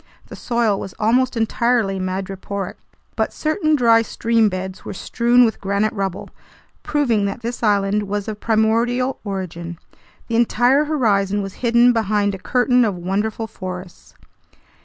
The soil was almost entirely madreporic, but certain dry stream beds were strewn with granite rubble, proving that this island was of primordial origin. The entire horizon was hidden behind a curtain of wonderful forests.